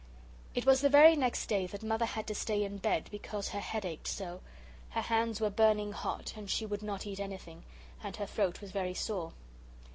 It was the very next day that Mother had to stay in bed because her head ached so. Her hands were burning hot, and she would not eat anything, and her throat was very sore.